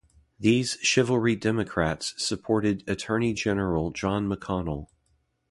These Chivalry Democrats supported Attorney General John McConnell.